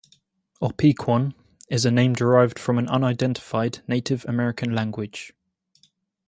Opequon is a name derived from an unidentified Native American language.